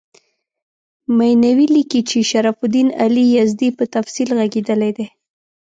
مینوي لیکي چې شرف الدین علي یزدي په تفصیل ږغېدلی دی.